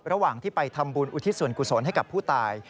ระหว่างที่ไปทำบุญอุทิศส่วนกุศลให้กับผู้ตาย